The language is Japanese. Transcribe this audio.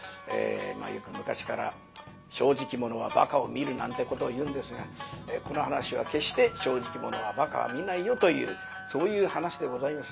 よく昔から「正直者はばかを見る」なんてことを言うんですがこの噺は決して「正直者はばかを見ないよ」というそういう噺でございます。